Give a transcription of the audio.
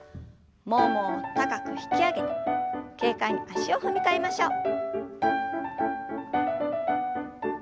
ももを高く引き上げて軽快に足を踏み替えましょう。